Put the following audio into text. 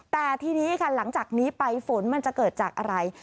แต่ทีนี้ค่ะหลังจากนี้ไปฝนมันจะเกิดจากอะไร